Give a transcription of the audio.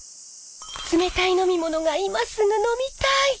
冷たい飲み物が今すぐ飲みたい！